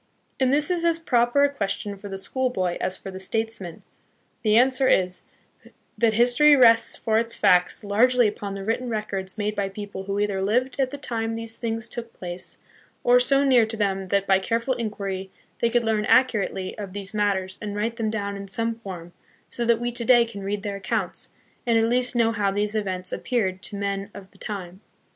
And this is as proper a question for the school boy as for the statesman. The answer is, that history rests for its facts largely upon the written records made by people who either lived at the time these things took place, or so near to them that, by careful inquiry, they could learn accurately of these mat ters and write them down in some form, so that we to day can read their accounts, and at least know how these events appeared to men of the time.